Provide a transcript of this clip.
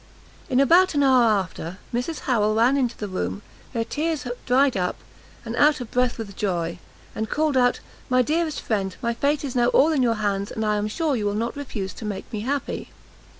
In about an hour after, Mrs Harrel ran into the room, her tears dried up, and out of breath with joy, and called out "My dearest friend, my fate is now all in your hands, and I am sure you will not refuse to make me happy."